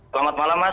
selamat malam mas